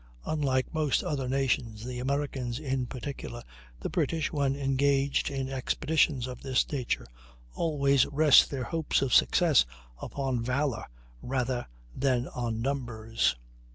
"Unlike most other nations, the Americans in particular, the British, when engaged in expeditions of this nature, always rest their hopes of success upon valor rather than on numbers."